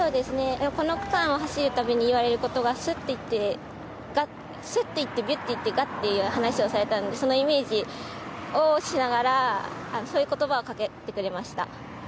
この区間を走るたびに言われることがすっといってがっといって、ビュッっという話をされるのでそのイメージをしながら、そういう言葉をかけてくれました。